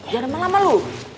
jangan lama lama lu